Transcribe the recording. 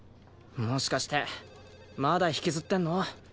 もしかしてまだ引きずってんの？